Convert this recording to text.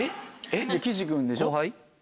岸君でしょ？